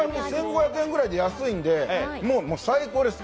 １５００円ぐらいで、安いので最高です。